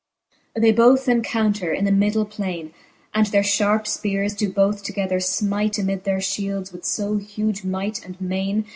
XXXII. They both encounter in the middle plaine. And their fiiarpe fpeares doe both together finite Amid their fliields, with fo huge might and maine.